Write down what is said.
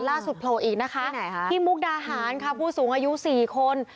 โผล่อีกนะคะที่มุกดาหารค่ะผู้สูงอายุ๔คน